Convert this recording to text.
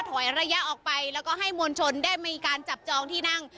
ระยะออกไปแล้วก็ให้มวลชนได้มีการจับจองที่นั่ง